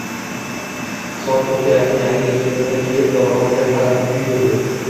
Soat to`rtga yaqin yangi kiyimini kiyib dorixonaga qarab yugurdi